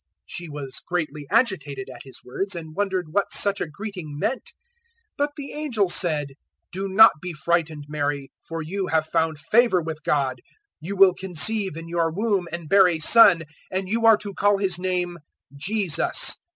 001:029 She was greatly agitated at his words, and wondered what such a greeting meant. 001:030 But the angel said, "Do not be frightened, Mary, for you have found favour with God. 001:031 You will conceive in your womb and bear a son; and you are to call His name JESUS.